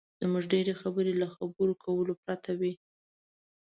زموږ ډېرې خبرې له خبرو کولو پرته وي.